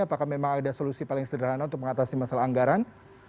apakah memang ada solusi paling sederhana untuk mengatasi masalah anggaran